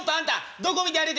どこ見て歩いて」。